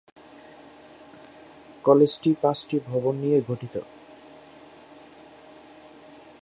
কলেজটি পাঁচটি ভবন নিয়ে গঠিত।